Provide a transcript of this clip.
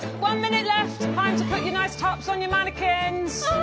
あ！